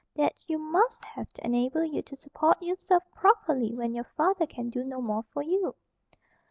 That you MUST have to enable you to support yourself properly when your father can do no more for you."